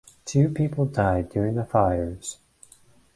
Two people died during the fires.